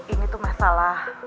ini tuh masalah